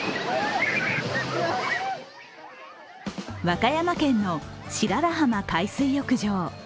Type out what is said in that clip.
和歌山県の白良浜海水浴場。